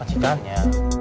masa saya juga harus kerja